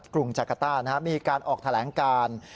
กรุงจักรต้ามีการออกแถลงการ